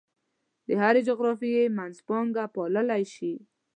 د هرې جغرافیې منځپانګه پاللی شي.